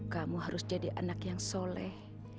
kamu harus jadi anak yang soleh